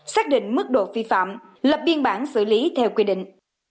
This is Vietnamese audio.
xác định mức độ vi phạm lập biên bản xử lý theo quy định